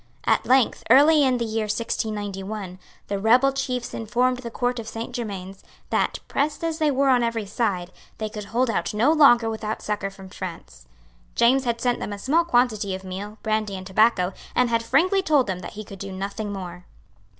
At length, early in the year 1691, the rebel chiefs informed the Court of Saint Germains that, pressed as they were on every side, they could hold out no longer without succour from France. James had sent them a small quantity of meal, brandy and tobacco, and had frankly told them that he could do nothing more.